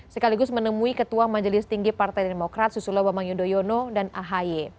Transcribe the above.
sekaligus menemui ketua majelis tinggi partai demokrat susilo bambang yudhoyono dan ahy